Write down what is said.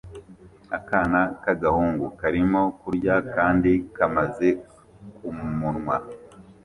Akana k'agahungu karimo kurya kandi kamaze kumunwa